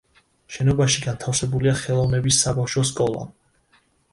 შენობაში განთავსებულია ხელოვნების საბავშვო სკოლა.